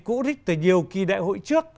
cũ thích từ nhiều kỳ đại hội trước